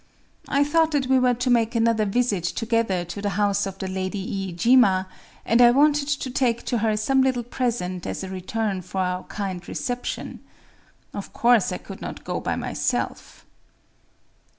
I thought that we were to make another visit together to the house of the Lady Iijima; and I wanted to take to her some little present as a return for our kind reception. Of course I could not go by myself."